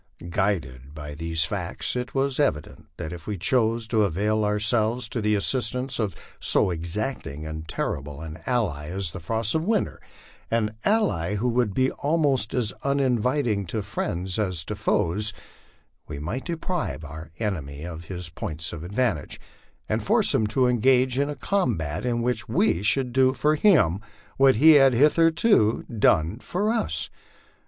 Guided by these facts, it was evident that if we choso to avail ourselves of the assistance of so exacting and terrible an ally as the frosts of winter an ally who would be almost as uninviting to friends as to foes we might deprive our enemy of his points of advantage, and force him to engage ia a combat in which we should do for him what he had hitherto done for ui; 140 LIFE ON THE PLAINS.